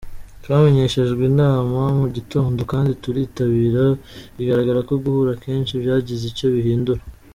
Twamenyeshejwe inama mu gitondo kandi turitabira bigaragara ko guhura kenshi byagize icyo bihindura”.